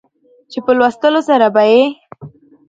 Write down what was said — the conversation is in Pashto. چې په لوستلو سره به يې